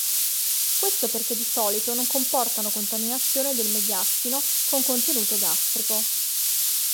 Questo perché di solito non comportano contaminazione del mediastino con contenuto gastrico.